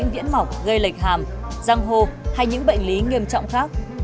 lệch hàm răng hô hay những bệnh lý nghiêm trọng khác